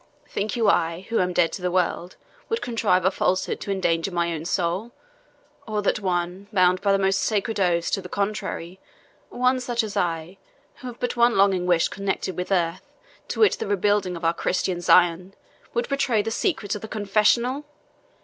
Think you I, who am dead to the world, would contrive a falsehood to endanger my own soul; or that one, bound by the most sacred oaths to the contrary one such as I, who have but one longing wish connected with earth, to wit, the rebuilding of our Christian Zion would betray the secrets of the confessional?